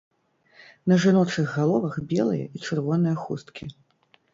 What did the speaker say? На жаночых галовах белыя і чырвоныя хусткі.